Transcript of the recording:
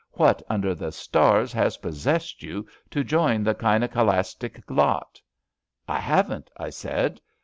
What under the stars has possessed you to join the Gynekalistic lot? "'' I haven't," I said.